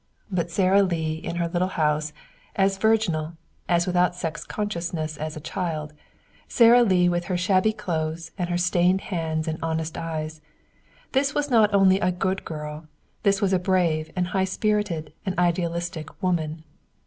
But Sara Lee in her little house, as virginal, as without sex consciousness as a child, Sara Lee with her shabby clothes and her stained hands and her honest eyes this was not only a good girl, this was a brave and high spirited and idealistic woman.